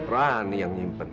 rani yang nyimpen